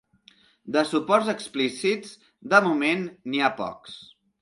De suports explícits, de moment, n’hi ha pocs.